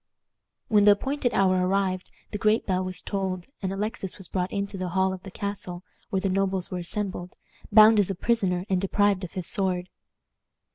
When the appointed hour arrived the great bell was tolled, and Alexis was brought into the hall of the castle, where the nobles were assembled, bound as a prisoner, and deprived of his sword.